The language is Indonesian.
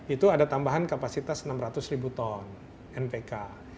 itu ada tambahan kapasitas enam ratus ribu ton npk